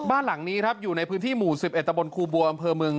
บ้านหลังนี้ครับอยู่ในพื้นที่หมู่สิบเอศตะบนคูบัวอัมเมิง